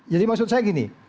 jadi maksud saya gini